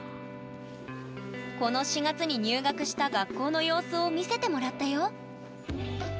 この４月に入学した学校の様子を見せてもらったよ！